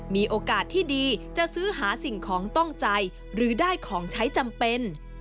มีโอกาสที่ดีจะซื้อหาสิ่งของต้องใจหรือได้ของใช้จำเป็น